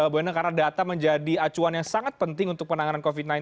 bu endang karena data menjadi acuan yang sangat penting untuk penanganan covid sembilan belas